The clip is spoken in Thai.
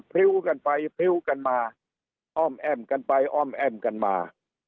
ริ้วกันไปพริ้วกันมาอ้อมแอ้มกันไปอ้อมแอ้มกันมา